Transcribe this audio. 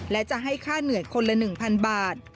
และจะให้ค่าเหนื่อยคนละ๑๐๐๐บาท